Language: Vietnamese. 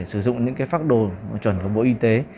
sử dụng những cái phác đồ chuẩn của bộ y tế